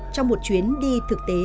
trong một chuyến đi thực tế